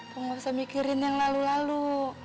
pok gak usah mikirin yang lalu lalu